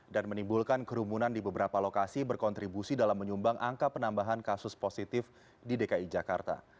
dan menimbulkan kerumunan di beberapa lokasi berkontribusi dalam menyumbang angka penambahan kasus positif di dki jakarta